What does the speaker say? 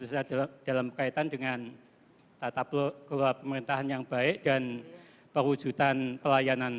nah kedepan kita perlu melakukan perubahan perubahan